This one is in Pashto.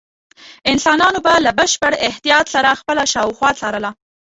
انسانانو به له بشپړ احتیاط سره خپله شاوخوا څارله.